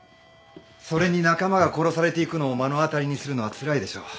それに仲間が殺されていくのを目の当たりにするのはつらいでしょう。